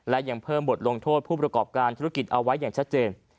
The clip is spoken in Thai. และยังเพิ่มบทลงโทษผู้ประกอบการธุรกิจเอาไว้อย่างชัดเจน